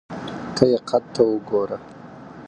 ته یې قد ته وګوره !